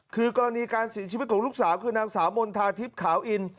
คือกรณีการเสียชีวิตของลูกสาวคือนางสาวมณฑาทิพย์ขาวอิน